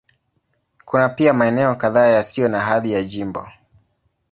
Kuna pia maeneo kadhaa yasiyo na hadhi ya jimbo.